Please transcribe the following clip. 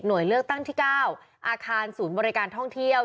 โดยเลือกตั้งที่๙อาคารศูนย์บริการท่องเที่ยว